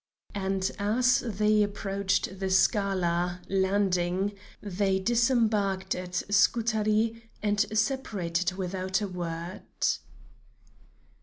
And as they approached the Scala (landing), they disembarked at Scutari and separated without a word.